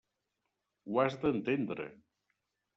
Ho has d'entendre.